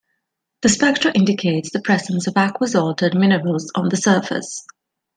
The spectra indicates the presence of aqueous-altered minerals on the surface.